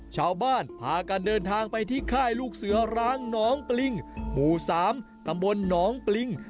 ชาวบ้านพากันเดินทางไปที่ค่ายลูกเสือร้างน้องปริงหมู่๓ตำบลหนองปริง